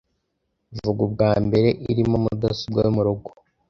Vuga ubwa mbere irimo mudasobwa yo murugo